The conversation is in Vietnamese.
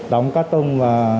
đóng các thùng